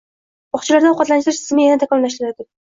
Bog‘chalarda ovqatlantirish tizimi yanada takomillashadi